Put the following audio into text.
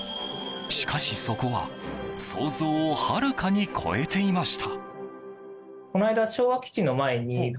しかし、そこは想像をはるかに超えていました。